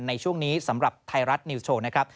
ในช่วงนี้สำหรับไทยรัฐนิวสโชว์นะครับ